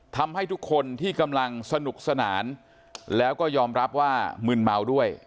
ทำให้ทุกคนที่กำลังสนุกสนานแล้วก็ยอมรับว่ามึนเมาด้วย